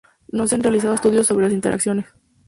No se han realizado estudios sobre las interacciones.